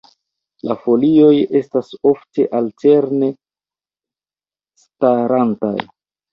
La folioj estas ofte alterne starantaj.